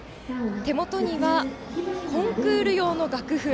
手元には、コンクール用の楽譜。